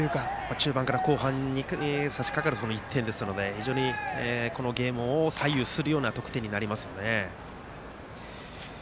中盤から後半に差し掛かる１点ですので非常にこのゲームを左右する得点になりますね。